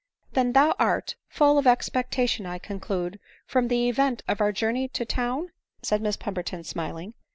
" Then thou art full of expectation, I conclude, from the event of our journey to town ?" said Miss Pemberton smiling.